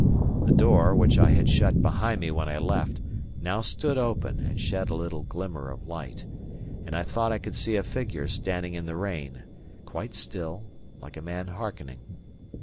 The door, which I had shut behind me when I left, now stood open, and shed a little glimmer of light; and I thought I could see a figure standing in the rain, quite still, like a man hearkening.